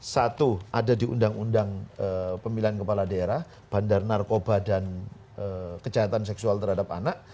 satu ada di undang undang pemilihan kepala daerah bandar narkoba dan kejahatan seksual terhadap anak